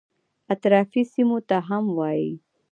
اطرافي سیمو ته هم وایي.